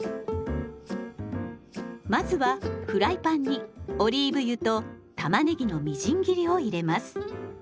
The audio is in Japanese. まずはフライパンにオリーブ油とたまねぎのみじん切りを入れます。